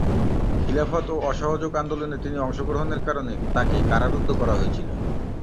খিলাফত ও অসহযোগ আন্দোলনে তিনি অংশগ্রহণের কারণে তাকে কারারুদ্ধ করা হয়েছিল।